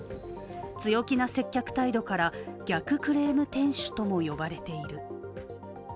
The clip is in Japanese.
強気な接客態度から逆クレーム店主とも呼ばれている。